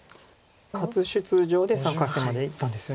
初出場で３回戦までいったんですよね。